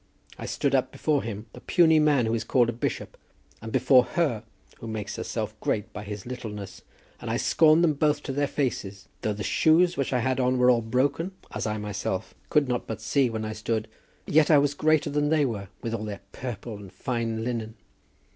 I stood up before him, the puny man who is called a bishop, and before her who makes herself great by his littleness, and I scorned them both to their faces. Though the shoes which I had on were all broken, as I myself could not but see when I stood, yet I was greater than they were with all their purple and fine linen."